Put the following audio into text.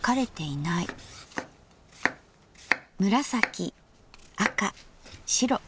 紫赤白。